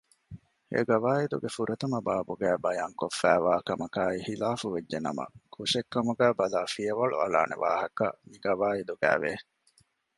އެގަވައިދުގެ ފުރަތަމަ ބާބުގައި ބަޔާންކޮށްފައިވާ ކަމަކާއި ޚިލާފުވެއްޖެނަމަ ކުށެއްކަމުގައި ބަލައި ފިޔަވަޅު އަޅާނެ ވާހަކަ މިގަވައިދުގައި ވެ